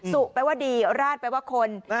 สุแปลว่าดีราดแปลว่าคน